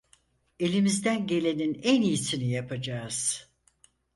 Elimizden gelenin en iyisini yapacağız.